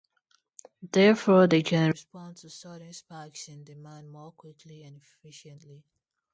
Therefore they can respond to sudden spikes in demand more quickly and efficiently.